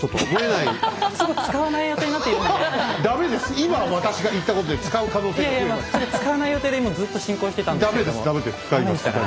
いやいや使わない予定でもうずっと進行してたんですけども。